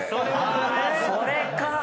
それか！